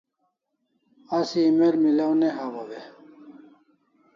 Asi email milaw ne hawaw e?